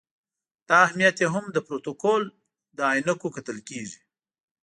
دا اهمیت یې هم د پروتوکول له عینکو کتل کېږي.